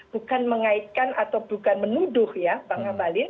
bukan mengaitkan atau bukan menuduh ya bang ngabalin